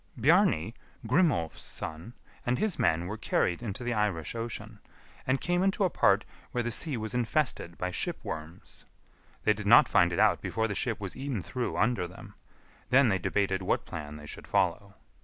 Bjarni, Grimolf's son, and his men were carried into the Irish Ocean, and came into a part where the sea was infested by ship worms. They did not find it out before the ship was eaten through under them; then they debated what plan they should follow.